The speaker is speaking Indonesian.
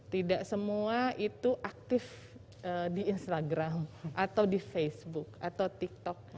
tidak semua itu aktif di instagram atau di facebook atau tiktok